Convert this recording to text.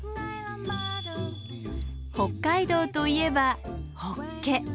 北海道といえばホッケ。